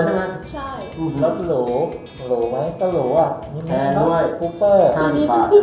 นี่มันคือของรถหลวงหลวงเติม